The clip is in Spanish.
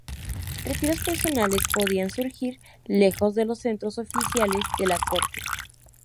Retiros personales podían surgir lejos de los centros oficiales de la Corte.